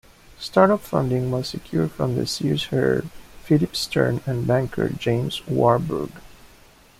Start-up funding was secured from the Sears heir, Philip Stern, and banker, James Warburg.